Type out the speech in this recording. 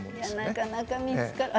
なかなか見つからない。